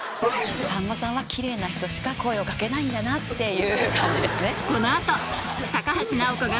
さんまさんは奇麗な人しか声を掛けないんだなっていう感じですね。